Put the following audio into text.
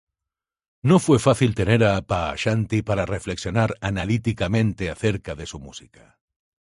No fue fácil tener a Pa Ashanti para reflexionar analíticamente acerca de su música.